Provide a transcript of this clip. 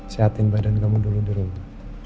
sehatin badan kamu dulu di rumah